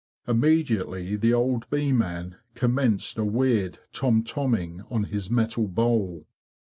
Immediately the old bee man commenced a weird tom tomming on his metal bowl.